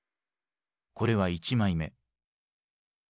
これは１枚目。